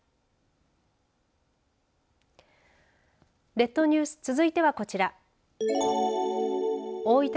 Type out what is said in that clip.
列島ニュース続いてはこちら大分